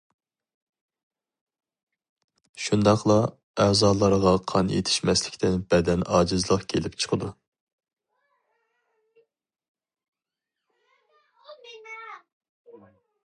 شۇنداقلا ئەزالارغا قان يېتىشمەسلىكتىن بەدەن ئاجىزلىق كېلىپ چىقىدۇ.